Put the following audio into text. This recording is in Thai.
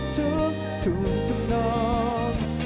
ทุกทุ่มทุ่มน้อง